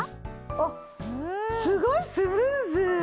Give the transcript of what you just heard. あっすごいスムーズ！